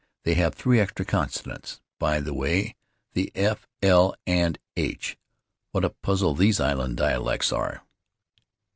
They have three extra consonants, by the way — the f, 1, and h. What a puzzle these island dialects are!